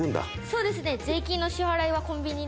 そうですね。